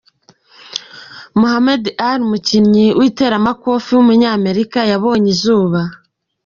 Muhammad Ali, umukinnyi w’iteramakofi w’umunyamerika yabonye izuba.